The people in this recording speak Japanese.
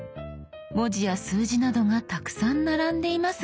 文字や数字などがたくさん並んでいますが。